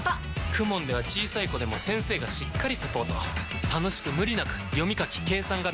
ＫＵＭＯＮ では小さい子でも先生がしっかりサポート楽しく無理なく読み書き計算が身につきます！